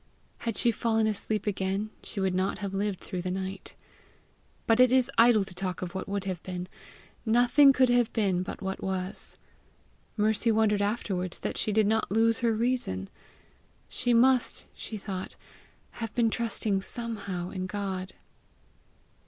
Had she fallen asleep again, she would not have lived through the night. But it is idle to talk of what would have been; nothing could have been but what was. Mercy wondered afterwards that she did not lose her reason. She must, she thought, have been trusting somehow in God.